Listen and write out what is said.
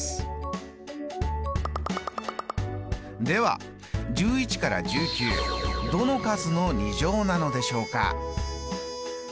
では１１から１９どの数の２乗なのでしょうか？